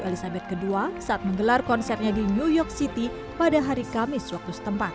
elizabeth ii saat menggelar konsernya di new york city pada hari kamis waktu setempat